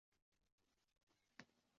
Chunki sizning manzilingiz baland